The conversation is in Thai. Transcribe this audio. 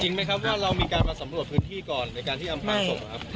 ไหมครับว่าเรามีการมาสำรวจพื้นที่ก่อนในการที่อำพลางศพครับ